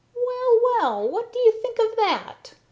"Well, well, what do you think of that!"